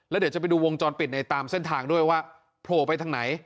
แล้วเดี๋ยวจะไปดูวงจรปิดในตามเส้นทางด้วยว่าโผล่ไปทางไหน